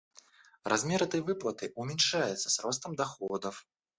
Размер этой выплаты уменьшается с ростом доходов.